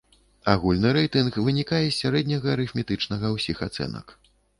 Агульны рэйтынг вынікае з сярэдняга арыфметычнага ўсіх ацэнак.